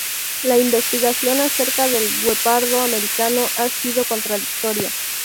La investigación acerca del guepardo americano ha sido contradictoria.